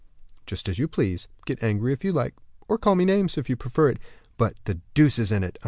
"Just as you please. Get angry if you like, or call me names, if you prefer it; but, the deuce is in it.